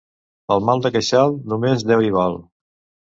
Pel mal de queixal, només Déu hi val.